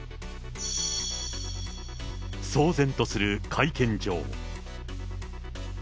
騒然とする会見場。